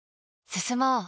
進もう。